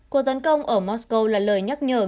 cuộc tấn công ở moscow là lời nhắc nhở